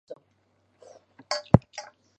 维耶于佐。